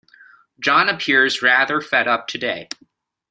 John appears rather fed up today